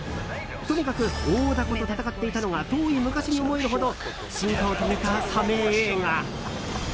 とにかく大ダコと戦っていたのが遠い昔に思えるほど進化を遂げたサメ映画。